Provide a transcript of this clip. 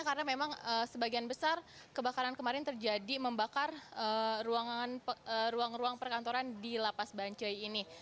karena memang sebagian besar kebakaran kemarin terjadi membakar ruang ruang perkantoran di lapas bancai ini